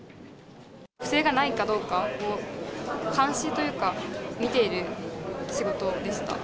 不正がないかどうかを監視というか、見ている仕事でした。